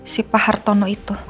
si pak hartono itu